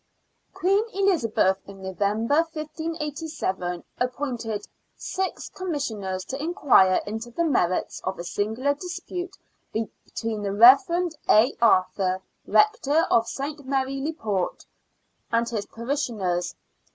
Queen Elizabeth, in November, 1587, appointed six Commissioners to inquire into the merits of a singular dispute between the Rev, A. Arthur, rector of St. Mary le port, and his parishioners.